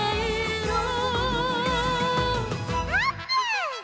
「あーぷん」